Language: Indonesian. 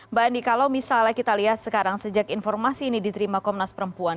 mbak andi kalau misalnya kita lihat sekarang sejak informasi ini diterima komnas perempuan